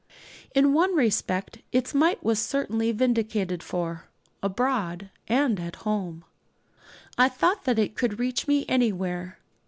In one respect its might was certainly vindicated, for, abroad and at home, I thought that it could reach me anywhere.